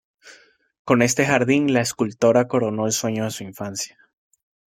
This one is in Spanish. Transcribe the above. Con este jardín la escultora coronó el sueño de su infancia.